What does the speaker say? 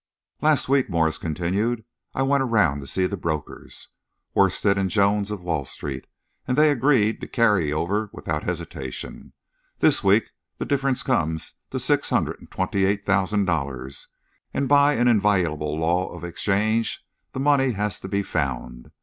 "Last week," Morse continued, "I went around to see the brokers, Worstead and Jones of Wall Street, and they agreed to carry over without hesitation. This week the differences come to six hundred and twenty eight thousand dollars, and by an inviolable law of Exchange the money has to be found.